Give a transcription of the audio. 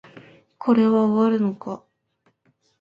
これは終わるのか